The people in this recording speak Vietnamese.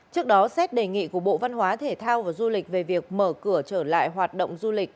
trước đó xét đề nghị của bộ văn hóa thể thao và du lịch về việc mở cửa trở lại hoạt động du lịch